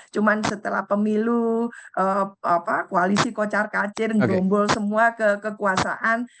cuma setelah pemilu koalisi kocar kacir gerombol semua ke kekuasaan